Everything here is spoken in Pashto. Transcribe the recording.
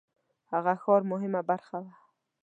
هغه ښار مهمه برخه وه.